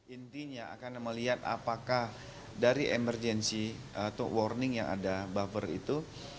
intinya akan melihat apakah dari emergency atau warning yang ada buffer itu